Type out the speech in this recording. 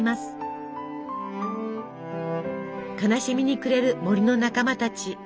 悲しみに暮れる森の仲間たち。